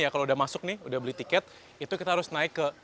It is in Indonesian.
kalau udah masuk nih udah beli tiket itu kita harus naik ke